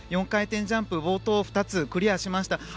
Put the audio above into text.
４回転ジャンプを冒頭２つをクリアしました。